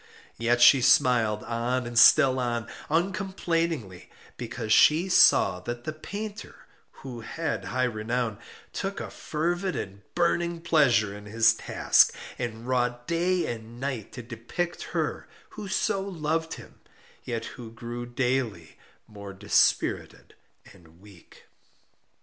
Yet she smiled on and still on, uncomplainingly, because she saw that the painter (who had high renown) took a fervid and burning pleasure in his task, and wrought day and night to depict her who so loved him, yet who grew daily more dispirited and weak.